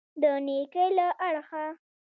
د نېکۍ له اړخه.